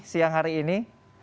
siang hari ini